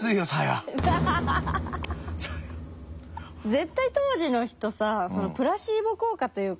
絶対当時の人さプラシーボ効果というか。